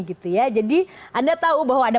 gitu ya jadi anda tahu bahwa ada